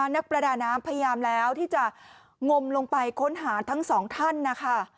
นักประดาน้ำพยายามแล้วที่จะงมลงไปค้นหาทั้งสองท่านนะคะ